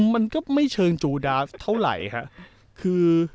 มันก็ไม่เชิงจูดาเท่าไหร่ครับ